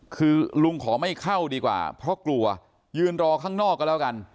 คือลุงขอไม่เข้าดีกว่าเพราะกลัวยืนรอข้างนอกก็แล้วกัน